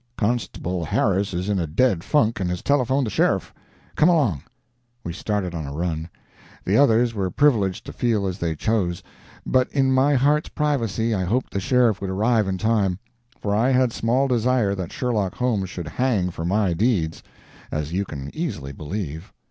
Constable Harris is in a dead funk, and has telephoned the sheriff. Come along!" We started on a run. The others were privileged to feel as they chose, but in my heart's privacy I hoped the sheriff would arrive in time; for I had small desire that Sherlock Holmes should hang for my deeds, as you can easily believe.